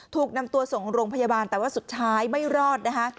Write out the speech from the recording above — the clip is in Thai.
ถูกนำตัวส่งโรงพยาบาลแต่ว่าสุดท้ายไม่รอดนะคะ